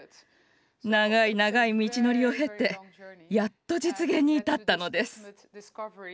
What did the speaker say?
長い長い道のりを経てやっと実現に至ったのです。